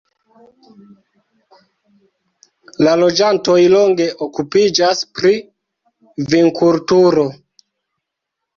La loĝantoj longe okupiĝas pri vinkulturo.